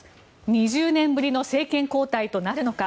２０年ぶりの政権交代となるのか。